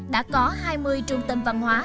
đã có hai mươi trung tâm văn hóa